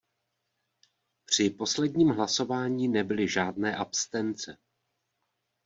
Při posledním hlasování nebyly žádné abstence.